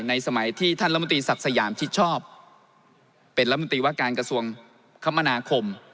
ในสมัยที่ท่านละมุติศักดิ์สยามชิดชอบเป็นละมุติวะการกระทรวงคมนาคม